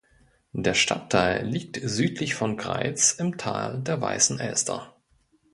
Der Stadtteil liegt südlich von Greiz im Tal der Weißen Elster.